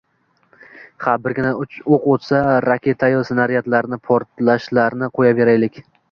Ha, birgina o‘q uchsa… Raketayu snaryadlarni, portlashlarni qo‘yaveraylik